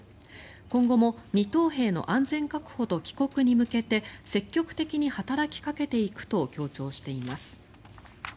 今後も２等兵の安全確保と帰国に向けて積極的に働きかけていくと強調しています。